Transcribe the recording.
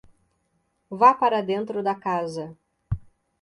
Vá para dentro da casa